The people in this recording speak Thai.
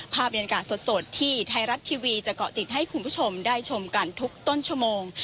บรรยากาศสดที่ไทยรัฐทีวีจะเกาะติดให้คุณผู้ชมได้ชมกันทุกต้นชั่วโมง